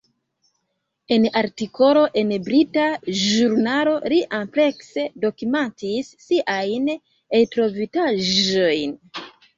En artikolo en brita ĵurnalo li amplekse dokumentis siajn eltrovitaĵojn.